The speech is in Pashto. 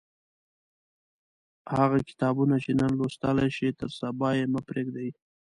هغه کتابونه چې نن لوستلای شئ تر سبا یې مه پریږدئ.